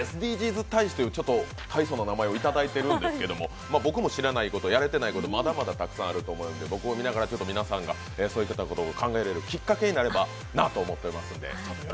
ＳＤＧｓ大使という大層な名前をいただいているんですが、僕も知らないこと、やれていないこと、まだまだたくさんあると思いますので僕を見ながら、皆さんがそういったことを考えられるきっかけになれればなと思っておりますので。